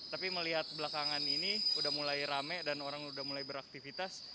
tapi melihat belakangan ini udah mulai rame dan orang udah mulai beraktivitas